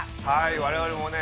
我々もね